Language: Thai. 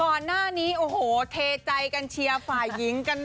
ก่อนหน้านี้โอ้โหเทใจกันเชียร์ฝ่ายหญิงกัน